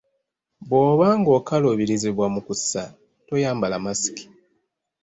Bw’oba ng’okaluubirizibwa mu kussa, toyambala masiki.